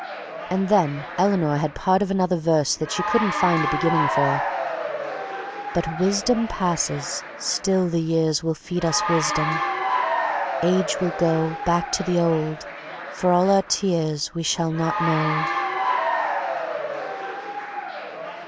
And then Eleanor had part of another verse that she couldn't find a beginning for: "... But wisdom passes... still the years Will feed us wisdom.... Age will go Back to the old— For all our tears We shall not know."